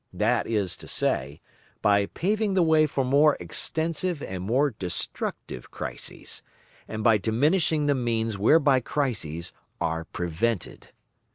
That is to say, by paving the way for more extensive and more destructive crises, and by diminishing the means whereby crises are prevented.